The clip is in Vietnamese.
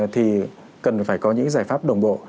thì cần phải có những giải pháp đồng bộ